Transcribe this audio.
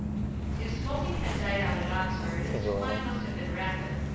If smoking had died out at Oxford its decline must have been rapid.